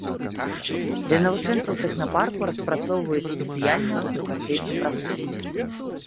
Для навучэнцаў тэхнапарку распрацоўваюць спецыяльную адукацыйную праграму.